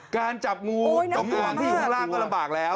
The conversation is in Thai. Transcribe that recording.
การจับงูตรงอ่างที่อยู่ข้างล่างก็ระบากแล้ว